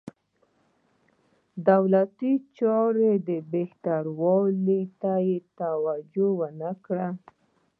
دولتي چارو بهترولو ته توجه ونه کړه.